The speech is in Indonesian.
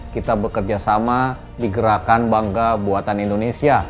kita bekerja sama di gerakan bangga buatan indonesia